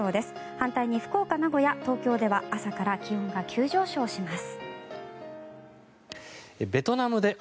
反対に福岡、名古屋、東京では朝から気温が急上昇します。